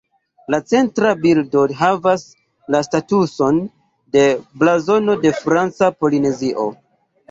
La centra bildo havas la statuson de blazono de Franca Polinezio.